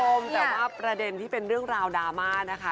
คุณผู้ชมแต่ว่าประเด็นที่เป็นเรื่องราวดราม่านะคะ